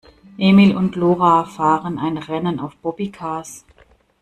Emil und Lora fahren ein Rennen auf Bobbycars.